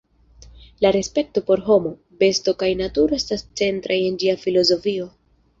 La respekto por homo, besto kaj naturo estas centraj en ĝia filozofio.